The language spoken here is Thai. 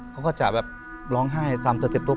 เขาก็จะแบบร้องไห้๓๗ตัวไป